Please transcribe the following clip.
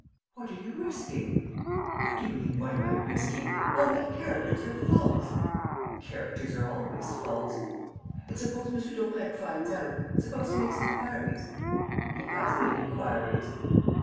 "What are you risking?" "How do you mean, what am I risking? All my characters are false." "Characters are always false." "And suppose M. Daubrecq finds out? Suppose he makes inquiries?" "He has made inquiries."